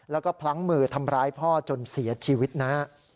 แล้วก็พลั้งมือทำร้ายพ่อจนเสียชีวิตนะฮะ